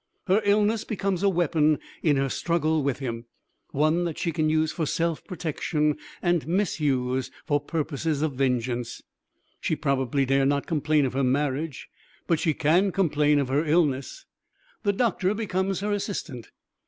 Her illness becomes a weapon in her struggle with him, one that she can use for self protection and misuse for purposes of vengeance. She probably dare not complain of her marriage, but she can complain of her illness. The doctor becomes her assistant.